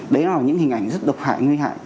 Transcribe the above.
đấy là những hình ảnh rất độc hại nguy hại